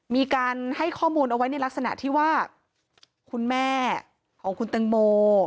มีการให้ข้อมูลเอาไว้ในลักษณะที่ว่าคุณแม่ของคุณตังโม